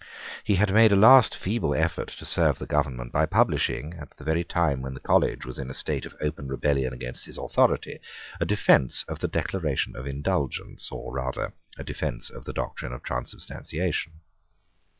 He had made a last feeble effort to serve the government by publishing, at the very time when the college was in a state of open rebellion against his authority, a defence of the Declaration of Indulgence, or rather a defence of the doctrine of transubstantiation.